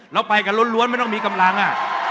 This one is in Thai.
เราไปกันล้วนไม่ต้องมีกำลัง